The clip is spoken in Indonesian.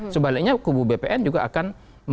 sebaliknya kubu bpn juga akan